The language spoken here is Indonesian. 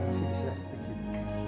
masih disias sedikit